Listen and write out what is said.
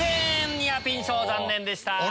ニアピン賞残念でした。